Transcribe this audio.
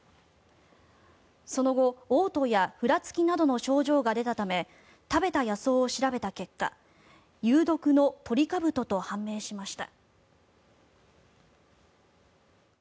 その後、おう吐やふらつきなどの症状が出たため食べた野草を調べた結果有毒のトリカブトと判明しました。